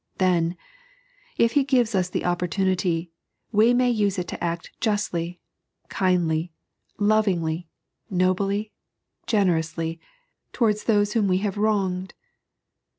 Then, if He gives us the opportunity, may we use it to act justly, kindly, lovingly, nobly, generously, towards those whom we have wronged